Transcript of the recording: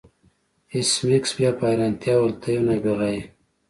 ایس میکس بیا په حیرانتیا وویل ته یو نابغه یې